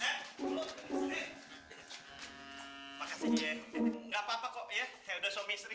hai eh makasih ya nggak papa kok ya helder somisri